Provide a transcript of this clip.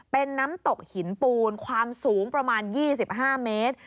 เป็นน้ำตกหินปูนความสูงประมาณ๒๕เมตร